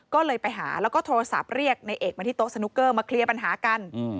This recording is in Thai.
ก็เลยไปหาแล้วก็โทรศัพท์เรียกในเอกมาที่โต๊ะสนุกเกอร์มาเคลียร์ปัญหากัน